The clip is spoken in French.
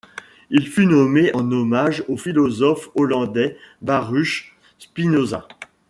Il fut nommé en hommage au philosophe hollandais Baruch Spinoza.